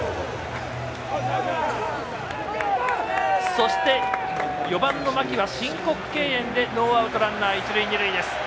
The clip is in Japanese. そして、４番の牧は申告敬遠でノーアウト、ランナー、一塁二塁。